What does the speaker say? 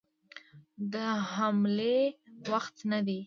د حملې وخت نه دی.